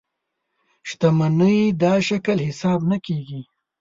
شتمنۍ دا شکل حساب نه کېږي.